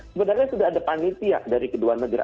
sebenarnya sudah ada panitia dari kedua negara